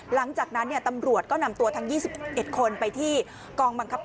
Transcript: หลังจากนั้นตำรวจก็นำตัวทั้ง๒๑คนไปที่กองบังคับ